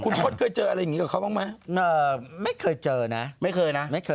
คุณฟดเคยเจออะไรอย่างนี้กับเขาบ้างไหม